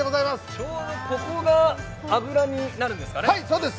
ちょうどここが脂になるんですかね。